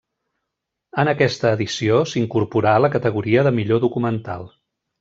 En aquesta edició s'incorporà la categoria de Millor documental.